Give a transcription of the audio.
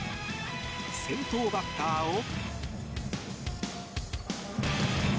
先頭バッターを。